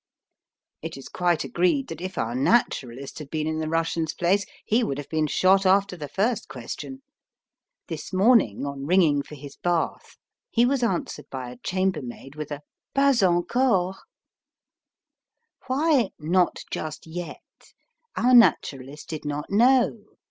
It is quite agreed that if our Naturalist had been in the Russian's place he would have been shot after the first question. This morning, on ringing for his bath, he was answered by a chambermaid with a "Pas encore." Why "not just yet" our Naturalist did not know.